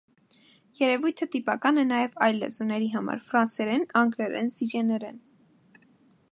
Երևույթը տիպական է նաև այլ լեզուների համար (ֆրանսերեն, անգլերեն, զիրյեներեն)։